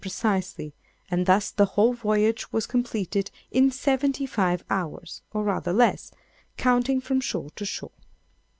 precisely; and thus the whole voyage was completed in seventy five hours; or rather less, counting from shore to shore.